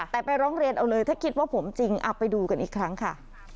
แต่ไปร้องเรียนเอาเลยถ้าคิดว่าผมจริงเอาไปดูกันอีกครั้งค่ะ